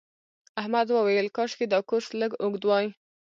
احمد وویل کاشکې دا کورس لږ اوږد وای.